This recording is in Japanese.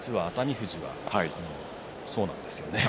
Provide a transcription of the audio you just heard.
富士はそうなんですよね。